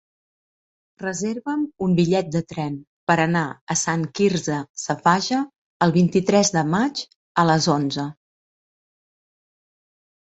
Reserva'm un bitllet de tren per anar a Sant Quirze Safaja el vint-i-tres de maig a les onze.